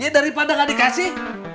iya daripada nggak dikasih